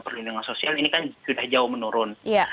perlindungan sosial ini kan sudah jauh menurun